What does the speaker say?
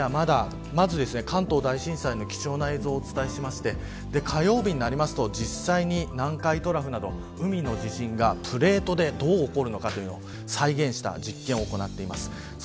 月曜日は、まず関東大震災の貴重な映像をお伝えして火曜日は実際に南海トラフなど海の地震がプレートで、どう起こるのかというのを再現した実験を行っています。